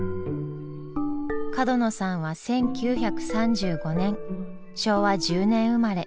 角野さんは１９３５年昭和１０年生まれ。